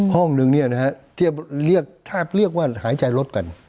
ห้องนึงถ้าเรียกว่าหายใจรถกัน